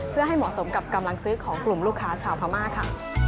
เพื่อให้เหมาะสมกับกำลังซื้อของกลุ่มลูกค้าชาวพม่าค่ะ